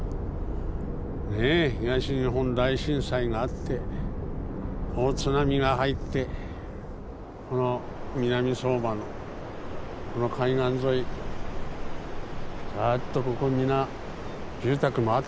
ねえ東日本大震災があって大津波が入ってこの南相馬のこの海岸沿いずっとここ皆住宅もあったの。